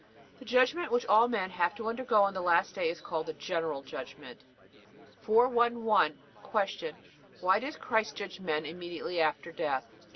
The judgment which all men have to undergo on the last day is called the General Judgment. 411. Q. Why does Christ judge men immediately after death?